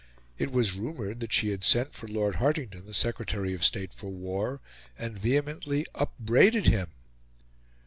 It was rumoured that she had sent for Lord Hartington, the Secretary of State for War, and vehemently upbraided him.